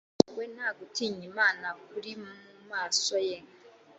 we nta gutinya imana kuri mu maso ye